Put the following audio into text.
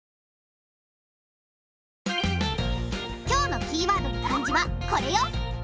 今日のキーワードの漢字はこれよ！